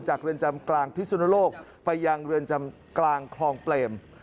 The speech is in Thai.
เรือนจำกลางพิสุนโลกไปยังเรือนจำกลางคลองเปรม